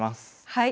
はい。